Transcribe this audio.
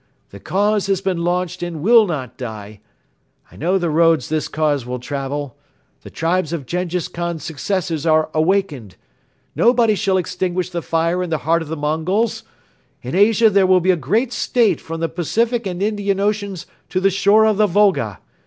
... The cause has been launched and will not die. ... I know the roads this cause will travel. The tribes of Jenghiz Khan's successors are awakened. Nobody shall extinguish the fire in the heart of the Mongols! In Asia there will be a great State from the Pacific and Indian Oceans to the shore of the Volga.